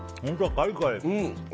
カリカリ。